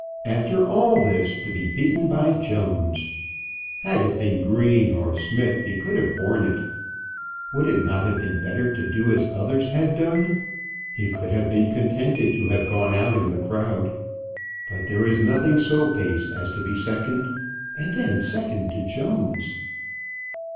After all this, to be beaten by Jones! Had it been Green or Smith he could have borne it. Would it not have been better to do as others had done? he could have been contented to have gone out in the crowd; but there is nothing so base as to be second and then second to Jones!